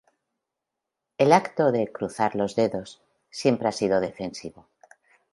El acto de "cruzar los dedos" siempre ha sido defensivo.